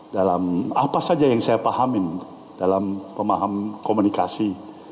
dalam apa saja yang saya pahamin dalam pemahaman komunikasi